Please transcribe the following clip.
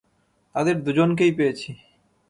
তাদের দুজনকেই পেয়েছি!